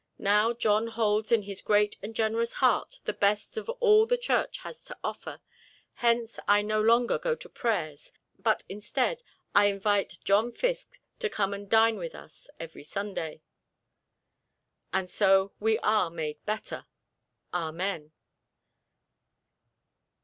Now John holds in his great and generous heart the best of all the Church has to offer; hence I no longer go to prayers, but instead, I invite John Fiske to come and dine with us every Sunday, so are we made better Amen."